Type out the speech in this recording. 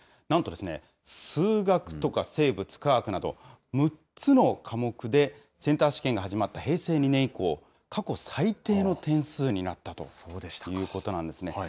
なんとですね、数学とか生物、化学など、６つの科目でセンター試験が始まった平成２年以降、過去最低の点数になったということなんですね。